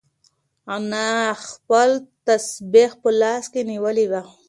انا خپل تسبیح په لاس کې نیولې وه.